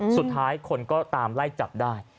สุดท้ายคนก็ตามไล่จับได้